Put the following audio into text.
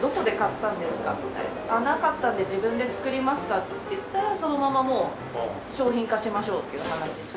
「なかったんで自分で作りました」って言ったらそのままもう商品化しましょうっていう話に。